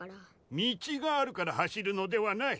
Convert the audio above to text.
道があるから走るのではない。